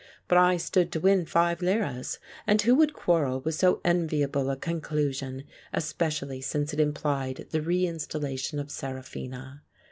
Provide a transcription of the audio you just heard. But I stood to win five liras, and who would quarrel with so enviable a conclusion, especially since it im plied the re installation of Seraphina